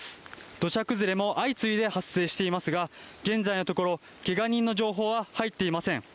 土砂崩れも相次いで発生していますが、現在のところ、けが人の情報は入っていません。